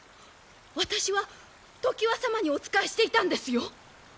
私は常磐様にお仕えしていたんですよ！